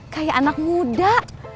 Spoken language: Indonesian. kayak anak muda